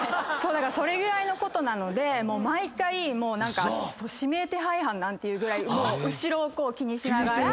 それぐらいのことなので毎回何か指名手配犯なん？っていうぐらい後ろを気にしながら歩いて。